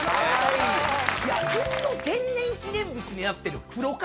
国の天然記念物になってる黒柏。